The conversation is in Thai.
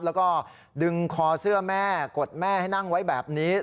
แล้วก็ดึงคอเสื้อแม่กดแม่ให้นั่งไว้แบบนี้